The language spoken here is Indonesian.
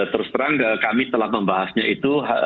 terus terang kami telah membahasnya itu